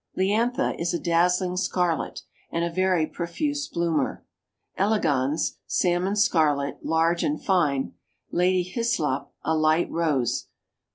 Liantha is a dazzling scarlet, and a very profuse bloomer. Elegans, salmon scarlet; large and fine. Lady Hyslop, a light rose.